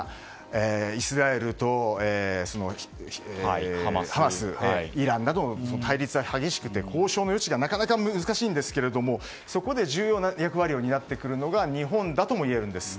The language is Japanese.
イスラエルとハマスイランなどの対立が激しくて交渉の余地がなかなか難しいんですけれどもそこで重要な役割を担ってくるのが日本だともいえるんです。